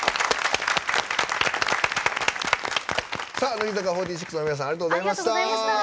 乃木坂４６の皆さんありがとうございました。